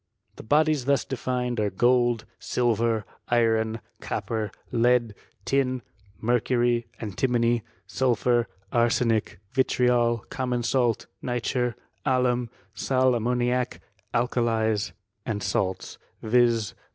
The bodies thus defined ars gold, silver, iron, copper, lead, tin, mercury, anti* mony, sulphur, arsenic, vitriol, common salt, nitre^ alum, sal ammoniac, alkalies, and salts ; viz.